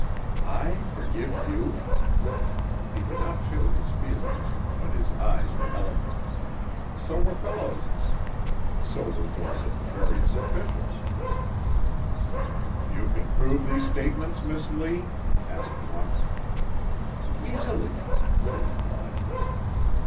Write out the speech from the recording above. "I forgive you?" He could not show his feelings, but his eyes were eloquent; so were Fellows's; so were those of the various officials. "You can prove these statements, Miss Lee?" asked one. "Easily," she replied.